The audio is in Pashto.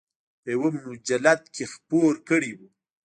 په یوه مجلد کې خپور کړی و.